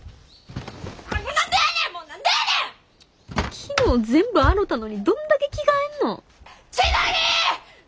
昨日全部洗たのにどんだけ着替えんの千鳥！